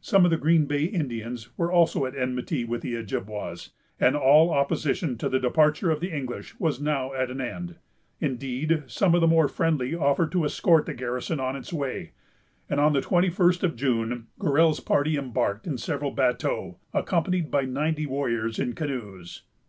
Some of the Green Bay Indians were also at enmity with the Ojibwas, and all opposition to the departure of the English was now at an end. Indeed, some of the more friendly offered to escort the garrison on its way; and on the twenty first of June, Gorell's party embarked in several bateaux, accompanied by ninety warriors in canoes.